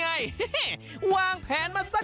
วิธีแบบไหนไปดูกันเล็ก